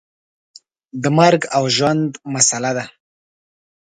د مرګ او ژوند مسله ده.